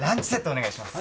お願いします